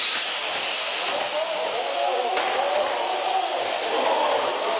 お！